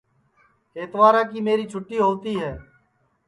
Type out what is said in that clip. اتوارا کی میری چھوٹی ہؤتی ہے